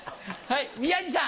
はい。